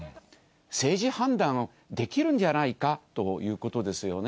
政治判断はできるんじゃないかということですよね。